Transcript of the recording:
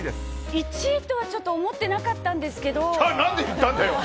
１位とは、ちょっと思ってなかったんですけど。